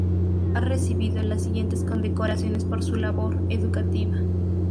Ha recibido las siguientes condecoraciones por su labor educativa.